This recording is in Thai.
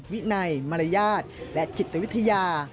วินัยมารยาทและจิตวิทยา